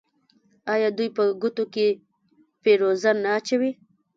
آیا دوی په ګوتو کې فیروزه نه اچوي؟